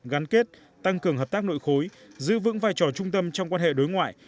gắn kết tăng cường hợp tác nội khối giữ vững vai trò trung tâm trong quan hệ đối ngoại